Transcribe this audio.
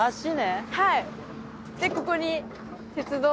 はい。